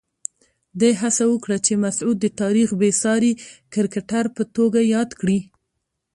ده هڅه وکړه چې مسعود د تاریخ بېساري کرکټر په توګه یاد کړي.